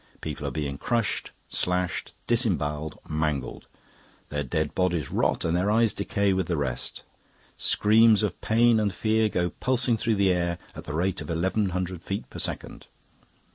People are being crushed, slashed, disembowelled, mangled; their dead bodies rot and their eyes decay with the rest. Screams of pain and fear go pulsing through the air at the rate of eleven hundred feet per second.